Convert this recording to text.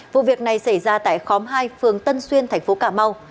vụ việc này xảy ra tại khóm hai phường tân xuyên tp cà mau